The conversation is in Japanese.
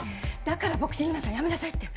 だからボクシング部なんかやめなさいって。